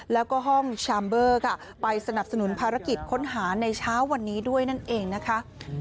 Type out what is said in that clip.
แล้วก็ห้องชามเบอร์ค่ะไปสนับสนุนภารกิจค้นหาในเช้าวันนี้ด้วยนั่นเองนะคะ